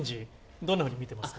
どんなふうにみてますか？